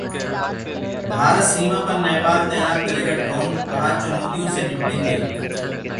भारत सीमा पर नेपाल तैनात करेगा ड्रोन, कहा- चुनौतियों से निपटेंगे